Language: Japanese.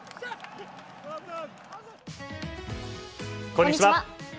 こんにちは。